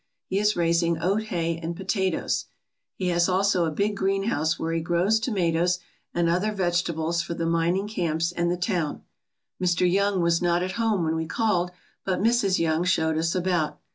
He is raising oat hay and potatoes; he has also a big greenhouse where he grows tomatoes and other vegetables for the mining camps and the town. Mr. Young was not at home when we called, but Mrs. Young showed us about.